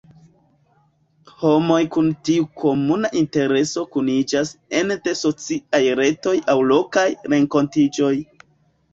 Homoj kun tiu komuna intereso kuniĝas ene de sociaj retoj aŭ lokaj renkontiĝoj.